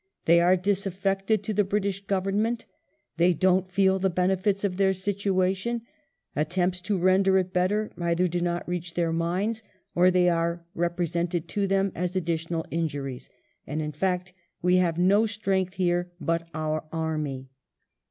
They are disaffected to the British Government; they don't feel the benefits of their situation; attempts to render it better either do not reach their minds or they are represented to them as additional injuries ; and in fact we have no strength here but our army."